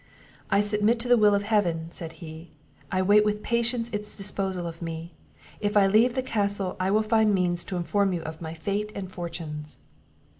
"I submit to the will of Heaven," said he; "I wait with patience its disposal of me; if I leave the castle, I will find means to inform you of my fate and fortunes."